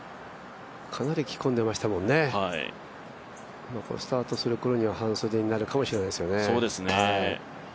かなり着込んでいましたもんね、スタートするころには半袖になるかもしれないですね。